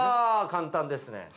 簡単ですね。